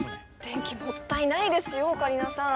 電気もったいないですよオカリナさん。